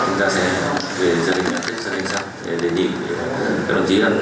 cho đ anh sang để đề nghị đồng chí thân nâng cao tinh thần trách nhiệm để hoàn thành tốt nhiệm vụ